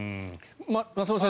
松本さん